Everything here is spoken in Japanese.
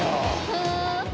へえ！